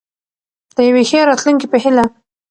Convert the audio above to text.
د یوې ښې راتلونکې په هیله.